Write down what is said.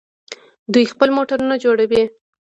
دوی خپل موټرونه جوړوي.